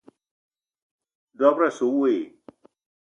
Dob-ro asse we i?